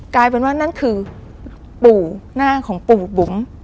กลายเป็นว่านั่นคือปู่หน้าของปู่บุ๋ม